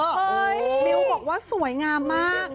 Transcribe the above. มิวบอกว่าสวยงามมาก